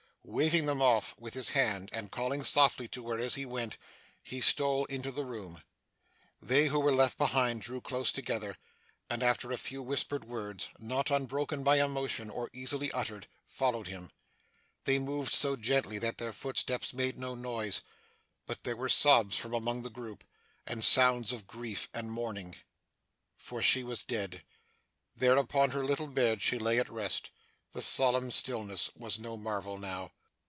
Waving them off with his hand, and calling softly to her as he went, he stole into the room. They who were left behind, drew close together, and after a few whispered words not unbroken by emotion, or easily uttered followed him. They moved so gently, that their footsteps made no noise; but there were sobs from among the group, and sounds of grief and mourning. For she was dead. There, upon her little bed, she lay at rest. The solemn stillness was no marvel now.